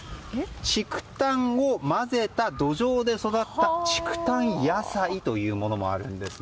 竹炭を混ぜた土壌で育った竹炭野菜というものもあるんです。